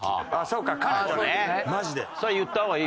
それ言った方がいいよ。